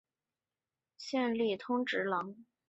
历任通直郎。